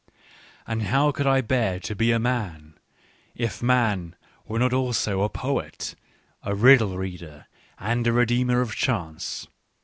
" And how could I bear to be a man, if man were not also a poet, a riddle reader, and a redeemer of chance